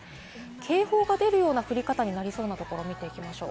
警報が出るような降り方になりそうなところを見ていきましょう。